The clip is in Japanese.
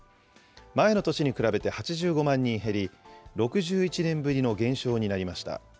前の年に比べて８５万人減り、６１年ぶりの減少になりました。